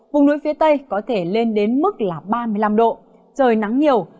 vùng núi phía tây có thể lên đến mức là ba mươi năm độ trời nắng nhiều